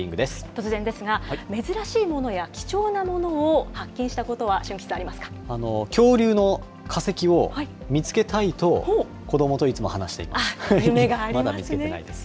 突然ですが、珍しいものや貴重なものを恐竜の化石を見つけたいと子どもといつも話しています。